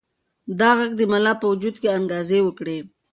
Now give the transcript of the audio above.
دا غږ د ملا په وجود کې انګازې وکړې.